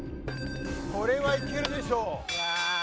これはいけるでしょう。